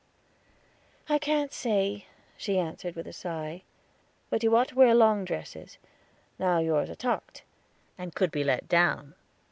"I can't say," she answered, with a sigh. "But you ought to wear long dresses; now yours are tucked, and could be let down."